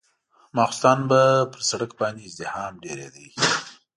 ماخستن به پر سړک باندې ازدحام ډېرېده.